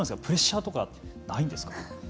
プレッシャーとかないんですか。